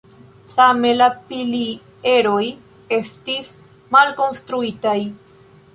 Same la pilieroj estis malkonstruitaj.